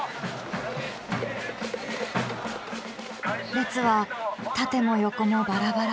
列は縦も横もバラバラ。